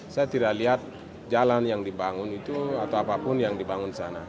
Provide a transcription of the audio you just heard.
saya tidak lihat jalan yang dibangun itu atau apapun yang dibangun sana